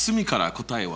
答えは？